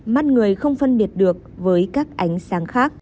mắt người không phân biệt được với các ánh sáng khác